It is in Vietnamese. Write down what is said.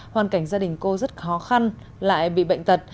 hoàn cảnh gia đình cô rất khó khăn lại bị bệnh tật